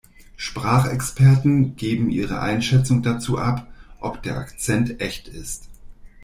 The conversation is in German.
Sprachexperten geben ihre Einschätzung dazu ab, ob der Akzent echt ist.